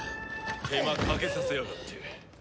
手間かけさせやがって。